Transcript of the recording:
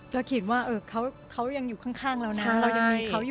จะคิดว่าเขายังอยู่ข้างแล้วนะ